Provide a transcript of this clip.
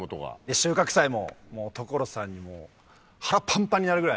収穫祭も所さんにもう腹パンパンになるぐらい。